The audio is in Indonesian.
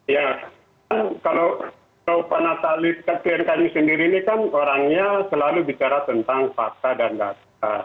ya kalau penatalis klien kami sendiri ini kan orangnya selalu bicara tentang fakta dan data